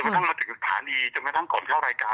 ว่าจะมาถึงพะทานีจะมาด้านก่อนพิมพ์ข้อรายการ